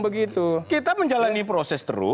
begitu kita menjalani proses terus